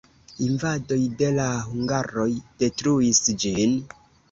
Invadoj de la hungaroj detruis ĝin.